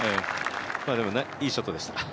でも、いいショットでした。